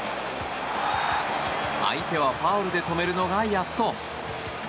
相手はファウルで止めるのがやっと。